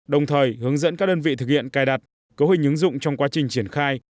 đồng thời hướng dẫn các đơn vị thực hiện cài đặt cấu hình ứng dụng trong quá trình triển khai